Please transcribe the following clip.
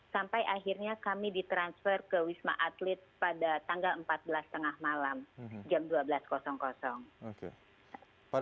sampai akhirnya kami ditransfer ke wisma atlet pada tanggal empat belas tengah malam jam dua belas